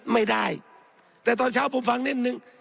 ไม่ได้แต่ตอนเช้าผมฟังนิดนึง